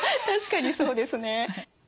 確かにそうですね。